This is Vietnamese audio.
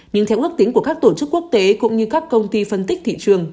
nhưng theo ước tính của các tổ chức quốc tế cũng như các công ty phân tích thị trường